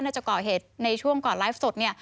น่าจะเกาะเหตุในช่วงก่อนไลฟ์สด